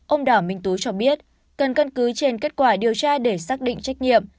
ông đảo minh tú cho biết cần cân cứ trên kết quả điều tra để xác định trách nhiệm